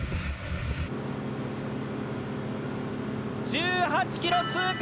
１８ｋｍ通過。